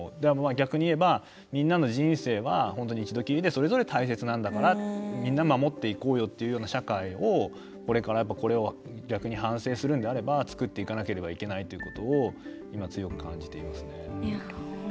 逆に言えばみんなの人生は本当に一度きりでそれぞれ大切なんだからみんな守っていこうよというような社会を、これからこれを逆に反省するのであれば作っていかなければいけないということを今、強く感じていますね。